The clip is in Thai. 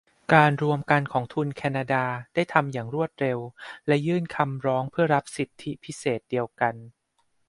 การรวมกันของทุนแคนาดาได้ทำอย่างรวดเร็วและยื่นคำร้องเพื่อรับสิทธิพิเศษเดียวกัน